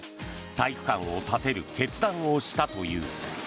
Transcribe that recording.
体育館を建てる決断をしたという。